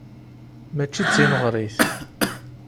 Mačči d tineɣrit.